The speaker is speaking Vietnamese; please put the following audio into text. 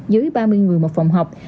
dưới ba mươi người một phòng học